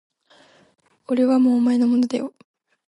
俺はもうお前のものだよ